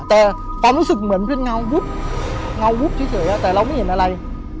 แต่ความรู้สึกเหมือนเป็นเงาวุบเงาวุบเฉยแต่เราไม่เห็นอะไร